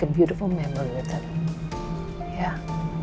buat pernikahan yang indah